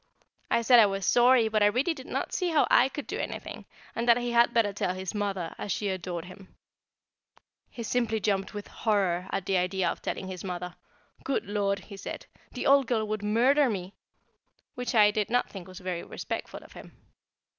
I said I was sorry, but I really did not see how I could do anything, and that he had better tell his Mother, as she adored him. [Sidenote: Cora's Necklace] He simply jumped with horror at the idea of telling his Mother. "Good Lord!" he said, "the old girl would murder me," which I did not think very respectful of him.